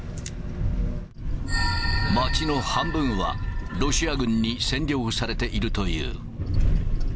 街の半分はロシア軍に占領されているという。